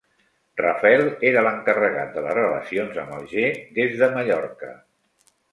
Rafel era l'encarregat de les relacions amb Alger des de Mallorca.